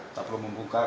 tidak perlu membuka